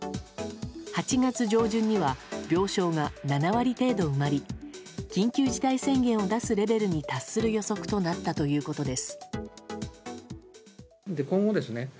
８月上旬には病床が７割程度埋まり緊急事態宣言を出すレベルに達する予測となったということです。